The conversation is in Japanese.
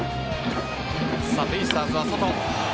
ベイスターズはソト。